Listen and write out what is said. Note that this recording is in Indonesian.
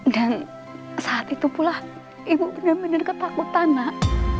dan saat itu pula ibu benar benar ketakutan nak